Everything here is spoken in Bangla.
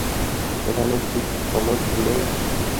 এখানে কি কমোড নেই?